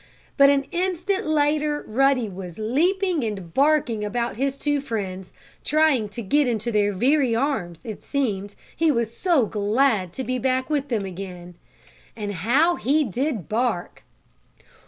But, an instant later, Ruddy was leaping and barking about his two friends, trying to get into their very arms, it seemed, he was so glad to be back with them again. And how he did bark!